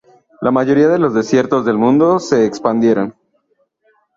La mayoría de los desiertos del mundo se expandieron.